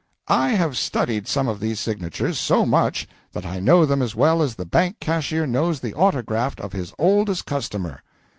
] "I have studied some of these signatures so much that I know them as well as the bank cashier knows the autograph of his oldest customer.